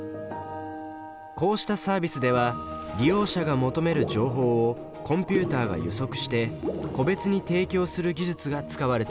こうしたサービスでは利用者が求める情報をコンピュータが予測して個別に提供する技術が使われています。